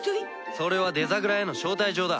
それはデザグラへの招待状だ。